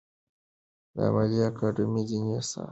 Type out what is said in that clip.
د علومو اکاډمۍ ځینې اثار چاپ کړي دي.